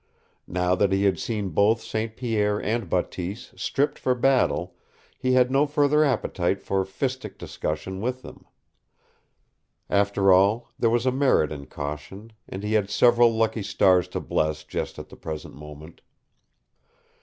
Now that he had seen both St. Pierre and Bateese stripped for battle, he had no further appetite for fistic discussion with them. After all, there was a merit in caution, and he had several lucky stars to bless just at the present moment!